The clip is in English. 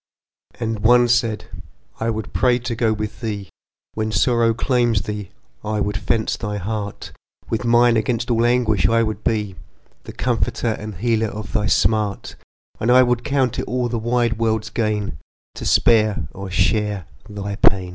And one said, "I would pray to go with thee When sorrow claims thee; I would fence thy heart With mine against all anguish; I would be The comforter and healer of thy smart; And I would count it all the wide world's gain To spare or share thy pain!"